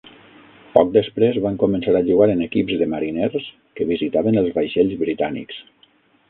Poc després van començar a jugar en equips de mariners que visitaven els vaixells britànics.